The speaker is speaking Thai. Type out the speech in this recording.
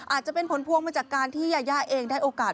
อาจจะเป็นผลพวงมาจากการที่ยายาเองได้โอกาส